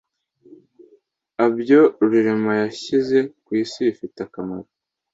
abyo rurema yashyize ku isi bifite akamaro,